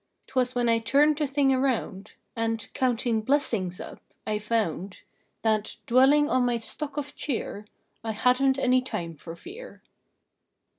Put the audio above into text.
Twas then I turned the thing around, A.nd, counting blessings up, I found That, dwelling on my stock of cheer, I hadn t any time for fear.